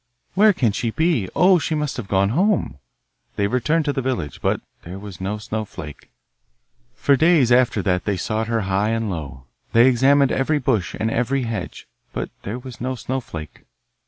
'Where can she be? Oh, she must have gone home.' They returned to the village, but there was no Snowflake. For days after that they sought her high and low. They examined every bush and every hedge, but there was no Snowflake.